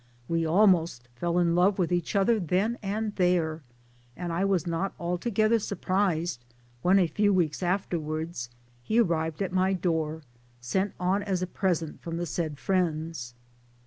We almost fell in love with each other then and there, and I was not altogether sur prised when a few weeks afterwards he arrived at my door, sent on as a present from the said friends.